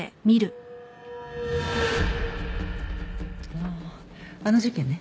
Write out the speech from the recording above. あああの事件ね。